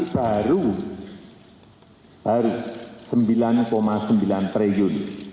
kenapa belum waktu